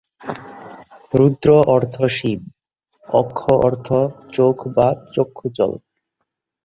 রুদ্র অর্থ শিব, অক্ষ অর্থ চোখ বা চক্ষুজল।